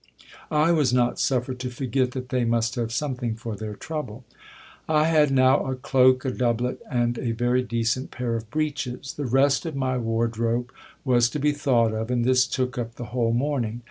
I was not suffered to forget that they must have something for their trouble. I had now a cloak, a doublet, and a very decent pair of breeches. The rest of my wardrobe was to be thought of : and this took up the whole morning.